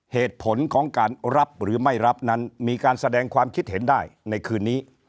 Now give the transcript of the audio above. เหตุผลของการรับหรือไม่รับนั้นมีการแสดงความคิดเห็นได้ในคืนนี้